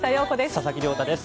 佐々木亮太です。